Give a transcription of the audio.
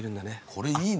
これいいね。